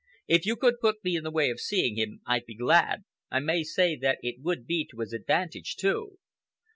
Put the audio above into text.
"If you could put me in the way of seeing him, I'd be glad. I may say that it would be to his advantage, too."